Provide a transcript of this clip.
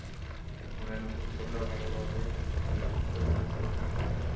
হুনাইন উপত্যকা ভালভাবে নিরীক্ষণ করে পলিসি গ্রহণ করি।